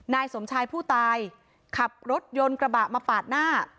นายสมชายผู้ตายขับรถยนต์กระบะมาปาดหน้า